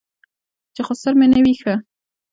چې خسر مې نه وي ښه.